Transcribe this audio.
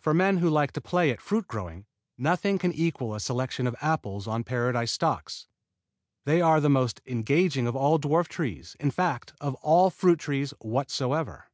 For men who like to play at fruit growing, nothing can equal a selection of apple trees on Paradise stocks. They are the most engaging of all dwarf trees, in fact of all fruit trees whatsoever.